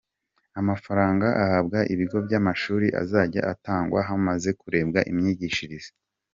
Amafaranga ahabwa ibigo by’amashuri azajya atangwa hamaze kurebwa imyigishirize